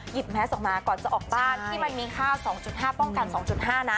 แมสออกมาก่อนจะออกบ้านที่มันมีค่า๒๕ป้องกัน๒๕นะ